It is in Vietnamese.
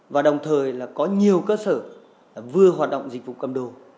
và đồng thời là có nhiều cơ sở vừa hoạt động dịch vụ cầm đồ